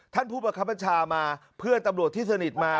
ท่านผู้ประคับบัญชามาเพื่อนตำรวจที่สนิทมา